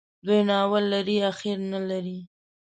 دى نو اول لري ، اخير نلري.